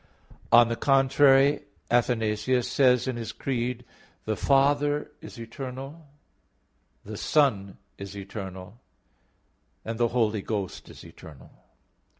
On the contrary, Athanasius says in his Creed: "The Father is eternal, the Son is eternal, the Holy Ghost is eternal."